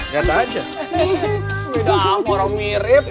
beda apa orang mirip